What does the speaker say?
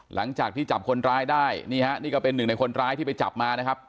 หลังจากที่จับคนร้ายได้นี่ฮะนี่ก็เป็นหนึ่งในคนร้ายที่ไปจับมานะครับ